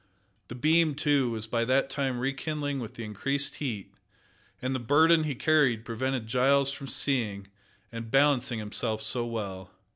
The beam, too, was by that time re kindling with the increased heat, and the burden he carried prevented Giles from seeing, and balancing himself so well.